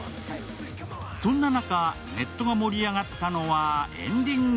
そんな中、ネットが盛り上がったのはエンディング。